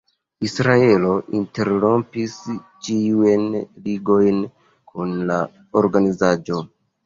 Israelo interrompis ĉiujn ligojn kun la organizaĵo.